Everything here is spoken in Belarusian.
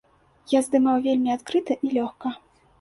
Я здымаў вельмі адкрыта і лёгка.